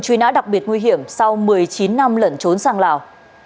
truy nã đặc biệt nguy hiểm sau một mươi chín năm lẩn trốn sang lào